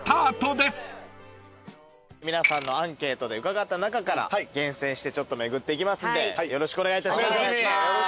皆さんのアンケートで伺った中から厳選して巡っていきますんでよろしくお願いいたします。